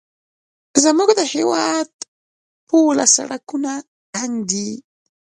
زموږ د هېواد ټوله سړکونه تنګ دي